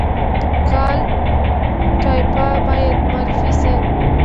کالтура باید معرفي شي